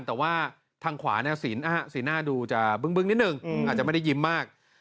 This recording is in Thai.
แต่ว่าทางขวาสีหน้าดูจะบึ้งนิดนึงอาจจะไม่ได้ยิ้มมาก